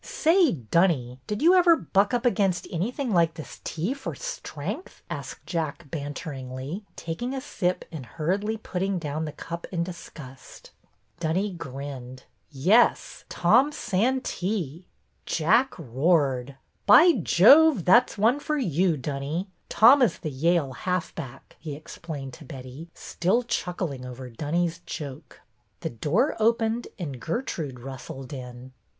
'• Say, Dunny, did you ever buck up against anything like this tea for strength? " asked Jack, banteringly, taking a sip and hurriedly putting down the cup in disgust. Dunny grinned. " Yes, Tom Santee." Jack roared. " By Jove, that 's one for you, Dunny. Tom is the Yale halfback," he explained to Betty, still chuckling over Dunny' s joke. The door opened and Gertrude rustled in.